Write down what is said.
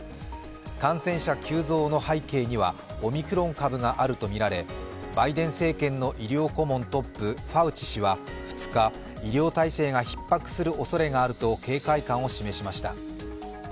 感染者急増の背景にはオミクロン株があるとみられバイデン政権の医療顧問トップ、ファウチ氏は医療体制がひっ迫するおそれがあると警戒感を示しました。